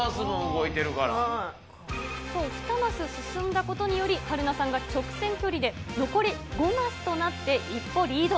そう、２マス進んだことにより、春菜さんが直線距離で残り５マスとなって、一歩リード。